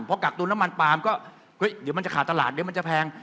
พอกักตุ้นน้ำมันปาล์มก็เฮ้ยเดี๋ยวมันจะขาดตลาดเดี๋ยวมันจะแพง